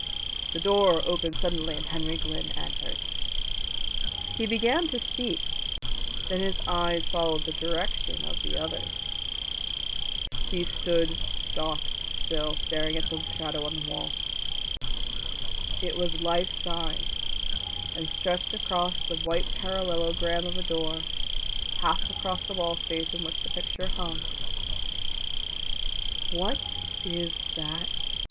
The door opened suddenly and Henry Glynn entered. He began to speak, then his eyes followed the direction of the others'. He stood stock still staring at the shadow on the wall. It was life size and stretched across the white parallelogram of a door, half across the wall space on which the picture hung. "What is that?"